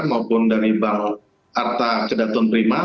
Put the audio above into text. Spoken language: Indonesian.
maupun dari bank arta kedatun prima